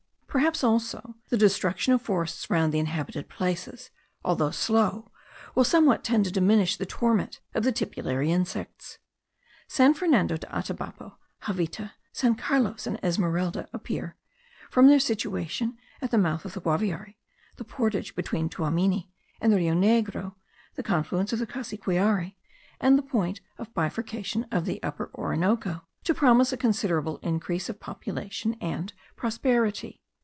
Perhaps, also, the destruction of forests round the inhabited places, although slow, will somewhat tend to diminish the torment of the tipulary insects. San Fernando de Atabapo, Javita, San Carlos, and Esmeralda, appear (from their situation at the mouth of the Guaviare, the portage between Tuamini and the Rio Negro, the confluence of the Cassiquiare, and the point of bifurcation of the Upper Orinoco) to promise a considerable increase of population and prosperity.